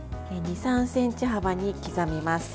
２３ｃｍ幅に刻みます。